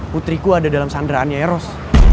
putriku ada dalam sandraannya eros